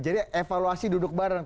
jadi evaluasi duduk bareng